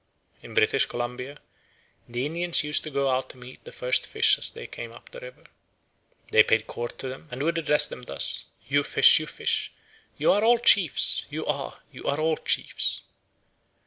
In British Columbia the Indians used to go out to meet the first fish as they came up the river: "They paid court to them, and would address them thus: 'You fish, you fish; you are all chiefs, you are; you are all chiefs.'"